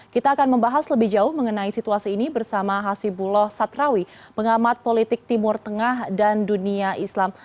kita akan membahas lebih jauh mengenai situasi ini bersama hasibuloh satrawi pengamat politik timur tengah dan dunia islam